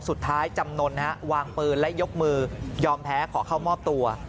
จำนวนวางปืนและยกมือยอมแพ้ขอเข้ามอบตัว